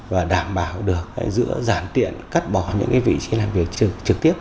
và đảm bảo được giữa giản tiện cắt bỏ những vị trí làm việc trực tiếp